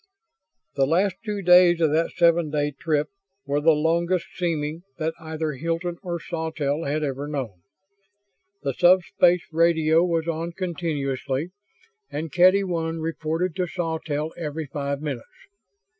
The last two days of that seven day trip were the longest seeming that either Hilton or Sawtelle had ever known. The sub space radio was on continuously and Kedy One reported to Sawtelle every five minutes.